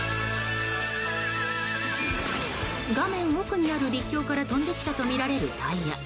画面奥にある陸橋から飛んできたとみられるタイヤ。